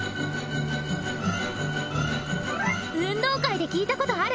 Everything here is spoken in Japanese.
運動会で聴いたことある！